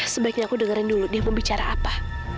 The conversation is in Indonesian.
sebaiknya aku dengerin dulu dia membicara apa